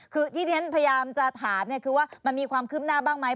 คือที่ที่ฉันพยายามจะถามเนี่ยคือว่ามันมีความคืบหน้าบ้างไหม